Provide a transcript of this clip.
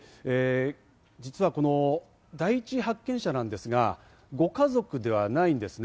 で、実はこの第一発見者なんですが、ご家族ではないんですね。